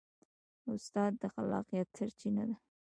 استاد د خلاقیت سرچینه ده.